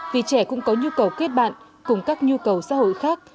vì trẻ cũng có nhu cầu kết bạn cùng các nhu cầu xã hội khác